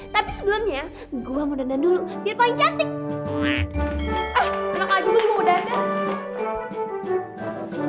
tapi sebelumnya gue mau dandan dulu biar paling cantik